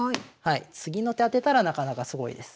次の手当てたらなかなかすごいです。